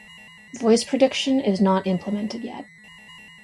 Voice prediction is not implemented yet.